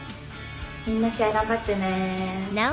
みんな試合頑張ってね。